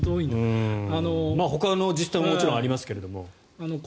ほかの自治体ももちろんありますが。